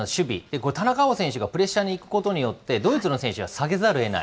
これ、田中碧選手がプレッシャーにいくことによって、ドイツの選手は下げざるをえない。